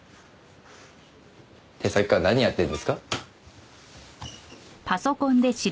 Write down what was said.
ってさっきから何やってるんですか？